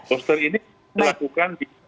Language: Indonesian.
booster ini dilakukan di